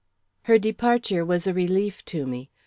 Her departure was a relief to me.